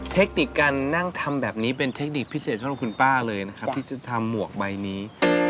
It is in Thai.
เทคนิคการนั่งทำแบบนี้เป็นเทคนิคพิเศษสำหรับคุณป้าเลยนะครับที่จะทำหมวกใบนี้